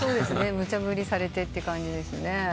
無茶ぶりされてって感じですね。